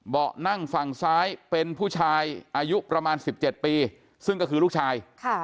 นั่งฝั่งซ้ายเป็นผู้ชายอายุประมาณ๑๗ปีซึ่งก็คือลูกชาย